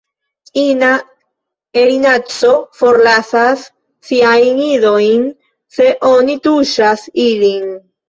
Ina erinaco forlasas siajn idojn se oni tuŝas ilin.